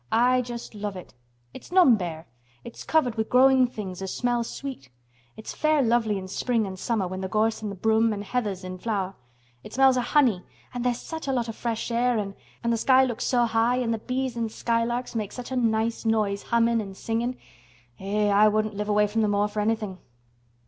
"I just love it. It's none bare. It's covered wi' growin' things as smells sweet. It's fair lovely in spring an' summer when th' gorse an' broom an' heather's in flower. It smells o' honey an' there's such a lot o' fresh air—an' th' sky looks so high an' th' bees an' skylarks makes such a nice noise hummin' an' singin'. Eh! I wouldn't live away from th' moor for anythin'."